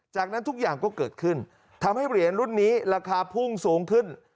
จากนั้นทุกอย่างก็เกิดขึ้นทำให้เหรียญรุ่นนี้ราคาพุ่งสูงขึ้น